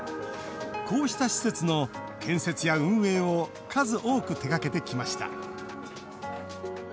こうした施設の建設や運営を数多く手がけてきました。